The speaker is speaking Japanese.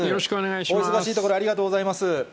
お忙しいところ、ありがとうございます。